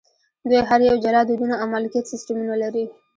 دوی هر یو جلا دودونه او مالکیت سیستمونه لري.